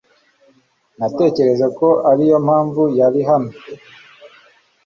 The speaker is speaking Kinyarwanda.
Natekereje ko ariyo mpamvu yari hano.